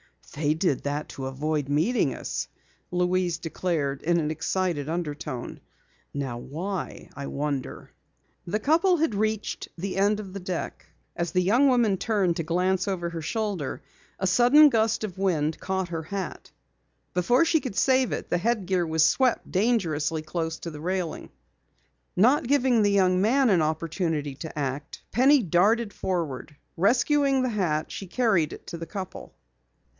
"They did that to avoid meeting us!" Louise declared in an excited undertone. "Now why, I wonder?" The couple had reached the end of the deck. As the young woman turned to glance over her shoulder, a sudden gust of wind caught her hat. Before she could save it, the head gear was swept dangerously close to the railing. Not giving the young man an opportunity to act, Penny darted forward. Rescuing the hat, she carried it to the couple.